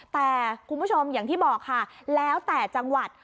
แต่คุณผู้ชมอย่างที่บอกค่ะแล้วแต่จังหวัด